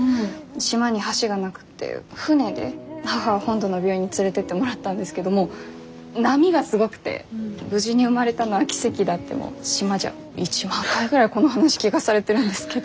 島に橋がなくて船で母を本土の病院に連れてってもらったんですけどもう波がすごくて無事に生まれたのは奇跡だってもう島じゃ１万回ぐらいこの話聞かされてるんですけど。